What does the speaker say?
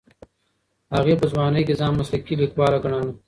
هغې په ځوانۍ کې ځان مسلکي لیکواله ګڼله.